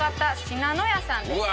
しなのやさんです。